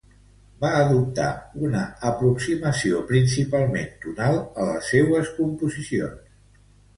Va adoptar una aproximació principalment tonal a les seues composicions.